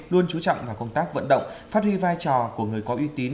luôn chú trọng vào công tác vận động phát huy vai trò của người có uy tín